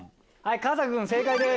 春日君正解です。